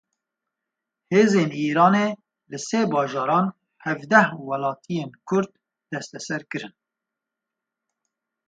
Hêzên Îranê li sê bajaran hevdeh welatiyên kurd desteser kirin.